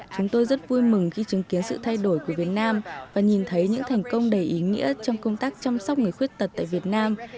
chúng tôi rất vui mừng khi chứng kiến sự thay đổi của việt nam và nhìn thấy những thành công đầy ý nghĩa trong công tác chăm sóc người khuyết tật tại việt nam